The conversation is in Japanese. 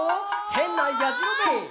へんなやじろべえ」